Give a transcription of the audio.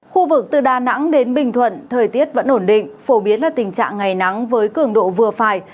khu vực từ đà nẵng đến bình thuận thời tiết vẫn ổn định phổ biến là tình trạng ngày nắng với cường độ vừa phải